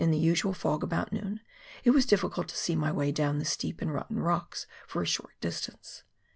the usual fog about noon, it was difficult to see my way down the steep and rotten rocks for a short distance.